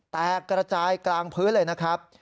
แตกกระจายกลางพื้นเลยนะครับ